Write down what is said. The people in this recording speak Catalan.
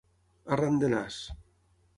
Arran de nas.